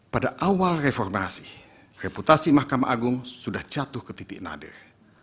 pada awal reformasi reputasi mahkamah agung sudah jatuh ke titik nadir